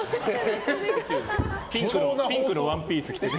ピンクのワンピース着てる。